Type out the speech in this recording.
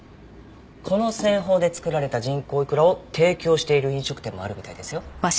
この製法で作られた人工いくらを提供している飲食店もあるみたいですよ。